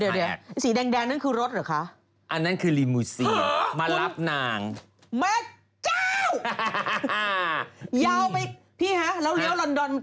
เดี๋ยวสีแดงนั่นคือรถเหรอคะอันนั้นคือรีมูซีมารับนางมาเจ้าพี่พี่ฮะแล้วเลี้ยวลอนดอนถนนมันเล็ก